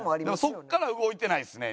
そこから動いてないですね。